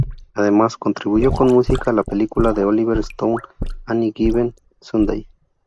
Además, contribuyó con música a la película de Oliver Stone "Any Given Sunday".